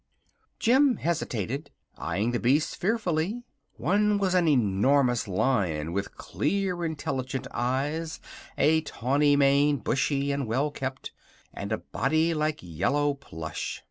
Jim hesitated, eyeing the beasts fearfully. One was an enormous Lion with clear, intelligent eyes, a tawney mane bushy and well kept, and a body like yellow plush.